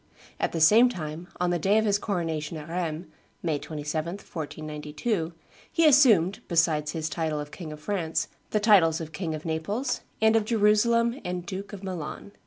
At the same time, on the day of his coronation at Rheims [May 27, 1492], he assumed, besides his title of King of France, the titles of King of Naples and of Jerusalem and Duke of Milan.